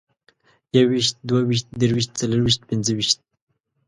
يويشت، دوه ويشت، درويشت، څلرويشت، پينځويشت